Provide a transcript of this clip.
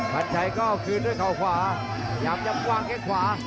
พันชัยก็คืนด้วยเขาขวาพยายามยำกวางแค่ขวา